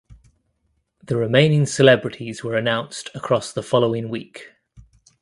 The remaining celebrities were announced across the following week.